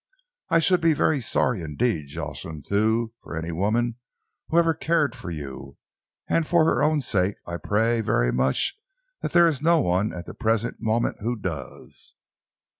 I should be very sorry indeed, Jocelyn Thew, for any woman who ever cared for you, and for her own sake I pray very much that there is no one at the present moment who does."